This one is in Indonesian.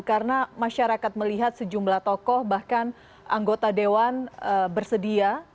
karena masyarakat melihat sejumlah tokoh bahkan anggota dewan bersedia